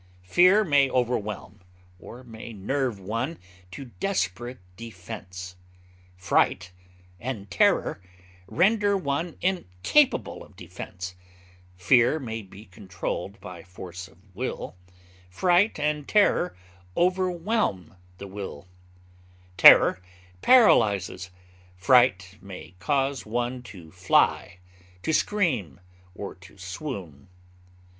Fear may overwhelm, or may nerve one to desperate defense; fright and terror render one incapable of defense; fear may be controlled by force of will; fright and terror overwhelm the will; terror paralyzes, fright may cause one to fly, to scream, or to swoon.